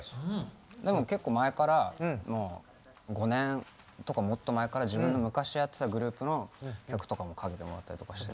でも結構前からもう５年とかもっと前から自分の昔やってたグループの曲とかもかけてもらったりとかしてて。